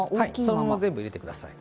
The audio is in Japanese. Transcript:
そのまま全部入れてください。